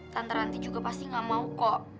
tante ranti juga pasti nggak mau kok